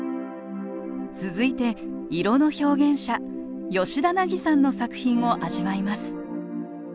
続いて色の表現者ヨシダナギさんの作品を味わいます